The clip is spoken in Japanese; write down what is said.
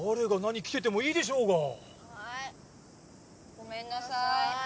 ごめんなさい。